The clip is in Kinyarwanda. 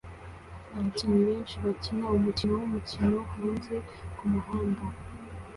Abakinnyi benshi bakina umukino wumukino hanze kumuhanda